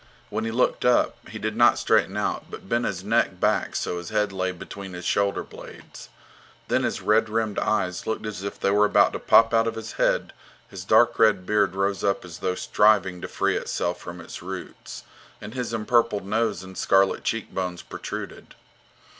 When he looked up, he did not straighten out, but bent his neck back so his head lay between his shoulder blades. Then his red rimmed eyes looked as if they were about to pop out of his head, his dark red beard rose up as though striving to free itself from its roots, and his empurpled nose and scarlet cheek bones protruded.